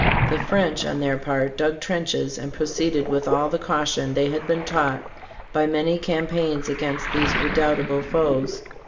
The French, on their part, dug trenches and proceeded with all the caution they had been taught by many campaigns against these redoubtable foes.